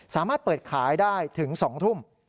สามารถเปิดขายได้ถึง๒ทุ่ม